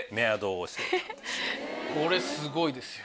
これすごいですよ。